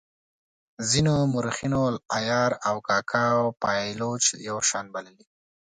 ځینو مورخینو عیار او کاکه او پایلوچ یو شان بللي.